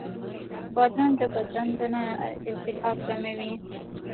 بادرنګ د بدن دننه التهاب کموي.